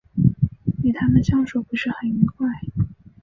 与他们相处不是很愉快